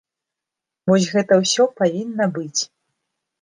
Вось гэта ўсё павінна быць.